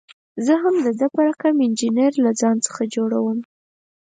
زه هم د ده په رقم انجینر له ځان څخه جوړوم.